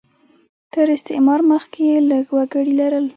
تر استعمار مخکې یې لږ وګړي لرل.